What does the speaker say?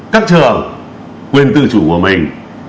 các trường quyền tư chủ của mình